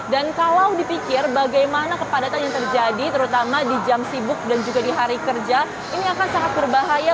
dan kalau dipikir bagaimana kepadatan yang terjadi terutama di jam sibuk dan juga di hari kerja ini akan sangat berbahaya